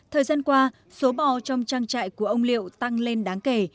thời gian qua số bò trong trang trại của ông liệu tăng lên đáng kể